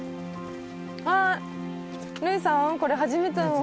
あっ類さん！